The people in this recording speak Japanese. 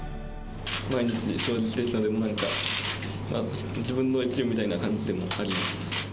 毎日将棋をしてきたので、自分の一部みたいな感じでもあります。